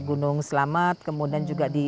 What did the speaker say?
gunung selamat kemudian juga di